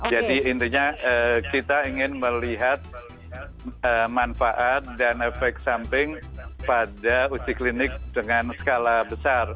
jadi intinya kita ingin melihat manfaat dan efek samping pada uji klinis dengan skala besar